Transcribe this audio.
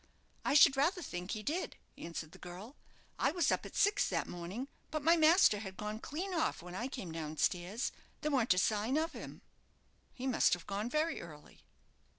"I should rather think he did," answered the girl. "I was up at six that morning, but my master had gone clean off when I came down stairs. There weren't a sign of him." "He must have gone very early."